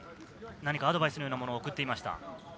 何かアドバイスのようなものを送っていました。